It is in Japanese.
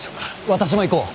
私も行こう。